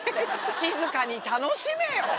静かに楽しめよ！